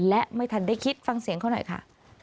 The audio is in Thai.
และไม่ทันได้คิดฟังเสียงเขาหน่อยค่ะ